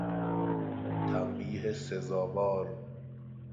تنبیه سزاوار